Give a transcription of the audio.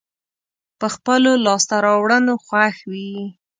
په خپلو لاسته راوړنو خوښ وي.